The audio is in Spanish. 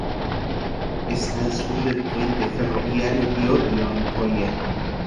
Está al sur del Puente Ferroviario Biobío en Coihue.